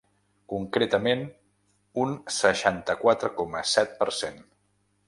Concretament, un seixanta-quatre coma set per cent.